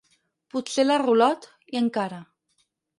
Potser la rulot, i encara.